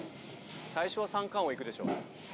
最初は三貫王いくでしょ。